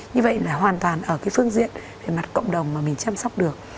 như vậy là hoàn toàn ở cái phương diện về mặt cộng đồng mà mình chăm sóc được